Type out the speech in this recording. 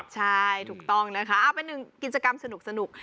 ใช่ถูกต้องนะคะเอาเป็นหนึ่งกิจกรรมสนุก